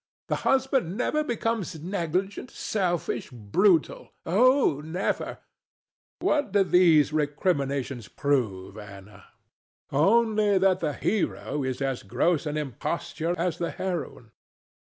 The husband never becomes negligent, selfish, brutal oh never! DON JUAN. What do these recriminations prove, Ana? Only that the hero is as gross an imposture as the heroine.